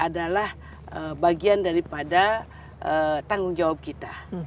adalah bagian daripada tanggung jawab kita